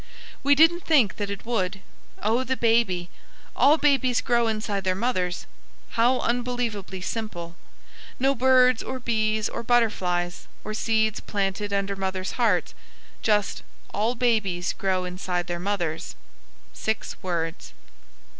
We didn't think that it would. "Oh, the baby. All babies grow inside their mothers." How unbelievably simple! No birds or bees or butterflies, or seeds planted under mothers' hearts. Just "all babies grow inside their mothers." Six words.